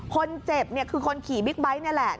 คนเจ็บเนี่ยคือคนขี่บิ๊กไบท์นี่แหละ